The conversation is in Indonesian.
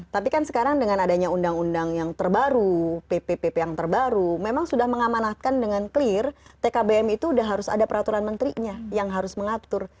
tapi kan sekarang dengan adanya undang undang yang terbaru ppp yang terbaru memang sudah mengamanatkan dengan clear tkbm itu sudah harus ada peraturan menterinya yang harus mengatur